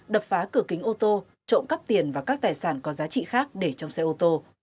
đập phá cửa kính ô tô trộm cắp tiền và các tài sản có giá trị khác để trong xe ô tô